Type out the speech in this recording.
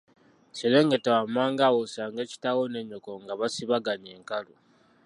Serengeta wammanga awo osange kitaawo ne nnyoko nga basibaganye enkalu.